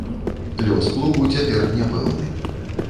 Лёс клубу цяпер няпэўны.